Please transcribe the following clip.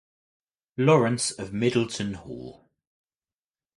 Lawrence of Middleton Hall.